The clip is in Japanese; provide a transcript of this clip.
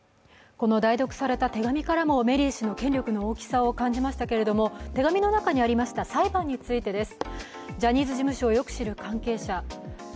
この代読された手紙からも、メリー氏の権力の大きさを感じましたけれども、手紙の中にありました裁判についてです。